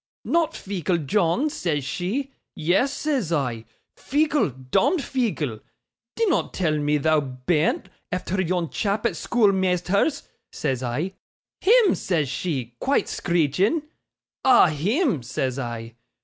"Not feeckle, John," says she. "Yes," says I, "feeckle, dom'd feeckle. Dinnot tell me thou bean't, efther yon chap at schoolmeasther's," says I. "Him!" says she, quite screeching. "Ah! him!" says I.